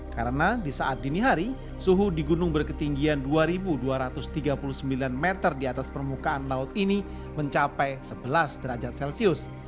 karena di saat dini hari suhu di gunung berketinggian dua ribu dua ratus tiga puluh sembilan meter di atas permukaan laut ini mencapai sebelas derajat celcius